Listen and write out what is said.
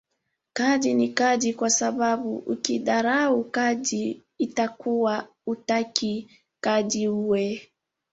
Kadhi ni kadhi kwasababu ukidharau kadhi itakuva hutaki kadhi uwe.